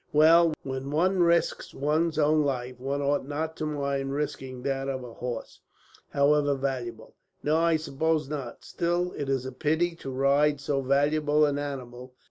"Well, when one risks one's own life, one ought not to mind risking that of a horse, however valuable." "No, I suppose not. Still, it is a pity to ride so valuable an animal.